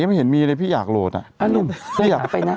ยังไม่เห็นมีเลยพี่อยากโหลดอ่ะนั่นรู้จะหาไปนะ